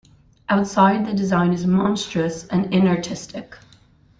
Outside the design is monstrous and inartistic.